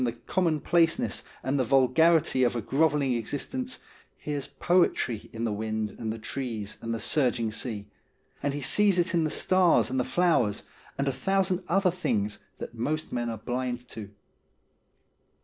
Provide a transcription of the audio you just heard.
RUTH 149 the commonplaceness and the vulgarity of a grovelling exist ence, hears poetry in the wind and the trees and the surging sea ; and he sees it in the stars and the flowers, and a thousand other things that most men are blind to.